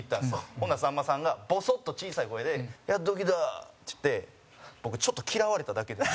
ほんなら、さんまさんがボソッと小さい声で「やっと来た」っつって僕、ちょっと嫌われただけです。